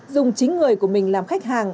dùng chính người của mình làm khách hàng